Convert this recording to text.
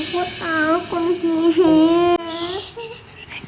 ibu yang takut